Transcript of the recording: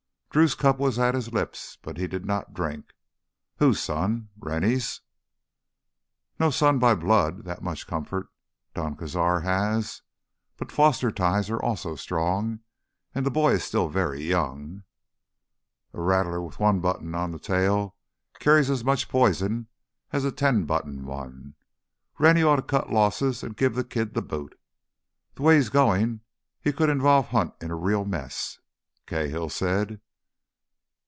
Drew's cup was at his lips, but he did not drink. Whose son? Rennie's? "No son by blood, that much comfort Don Cazar has. But foster ties are also strong. And the boy is still very young—" "A rattler with only one button on the tail carries as much poison as a ten button one. Rennie ought to cut losses and give that kid the boot. The way he's going he could involve Hunt in a real mess," Cahill said.